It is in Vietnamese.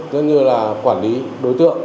rất như là quản lý đối tượng